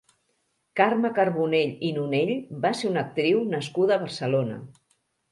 Carme Carbonell i Nonell va ser una actriu nascuda a Barcelona.